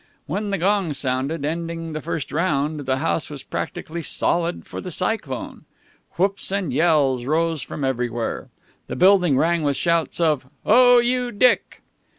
When the gong sounded, ending the first round, the house was practically solid for the Cyclone. Whoops and yells rose from everywhere. The building rang with shouts of, "Oh, you Dick!"